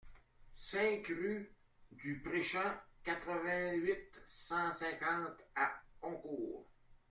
cinq rue du Prèchamp, quatre-vingt-huit, cent cinquante à Oncourt